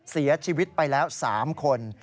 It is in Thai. เสียชีวิตไปแล้ว๓คน